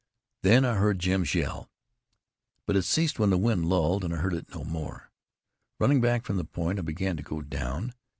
Then I heard Jim's yell. But it ceased when the wind lulled, and I heard it no more. Running back from the point, I began to go down.